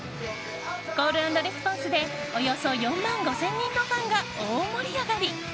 コール＆レスポンスでおよそ４万５０００人のファンが大盛り上がり。